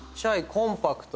コンパクト。